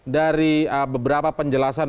dari beberapa penjelasan